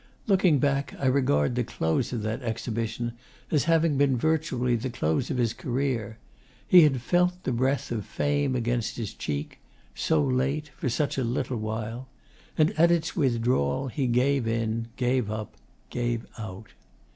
Looking back, I regard the close of that exhibition as having been virtually the close of his career. He had felt the breath of Fame against his cheek so late, for such a little while; and at its withdrawal he gave in, gave up, gave out.